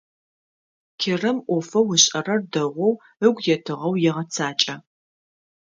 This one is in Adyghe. Керэм ӏофэу ышӏэрэр дэгъоу ыгу етыгъэу егъэцакӏэ.